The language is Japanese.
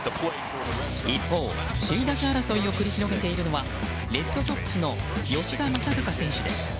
一方、首位打者争いを繰り広げているのはレッドソックスの吉田正尚選手です。